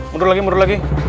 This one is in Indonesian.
mundur lagi mundur lagi